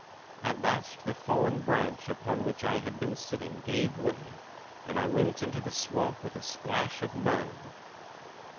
At last the fallen branch upon which I had been sitting gave way and I went into the swamp with a splash of mud.